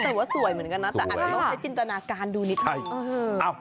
แต่ว่าสวยเหมือนกันนะแต่อาจจะต้องใช้จินตนาการดูนิดนึง